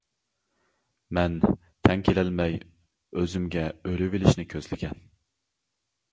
مەن، تەڭ كېلەلمەي ئۆزۈمگە، ئۆلۈۋېلىشنى كۆزلىگەن.